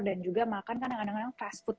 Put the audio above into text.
dan juga makan kadang kadang fast food